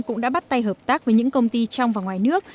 cũng đã bắt tay hợp tác với những công ty trong và ngoài nước